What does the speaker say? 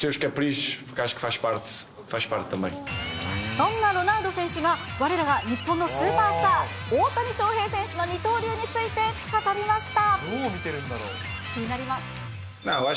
そんなロナウド選手が、われらが日本のスーパースター、大谷翔平選手の二刀流について語りました。